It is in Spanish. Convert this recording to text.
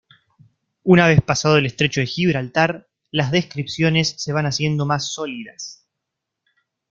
Una vez pasado el estrecho de Gibraltar, las descripciones se van haciendo más sólidas.